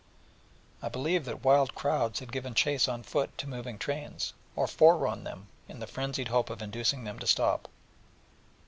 I believe that wild crowds had given chase on foot to moving trains, or fore run them in the frenzied hope of inducing them to stop.